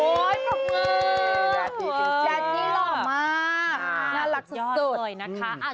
แดดดี้หล่อมากน่ารักสุดยอดเลยนะคะ